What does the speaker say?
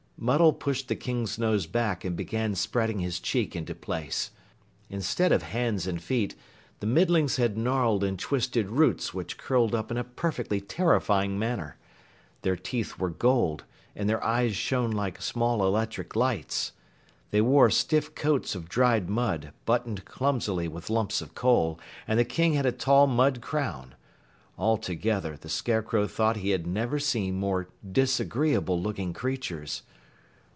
Muddle pushed the King's nose back and began spreading his cheek into place. Instead of hands and feet, the Middlings had gnarled and twisted roots which curled up in a perfectly terrifying manner. Their teeth were gold, and their eyes shone like small electric lights. They wore stiff coats of dried mud, buttoned clumsily with lumps of coal, and the King had a tall mud crown. Altogether, the Scarecrow thought he had never seen more disagreeable looking creatures.